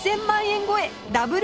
１０００万円超え！